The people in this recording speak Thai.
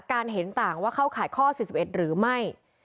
เห็นต่างว่าเข้าข่ายข้อ๔๑หรือไม่